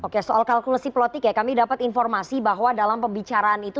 oke soal kalkulasi politik ya kami dapat informasi bahwa dalam pembicaraan itu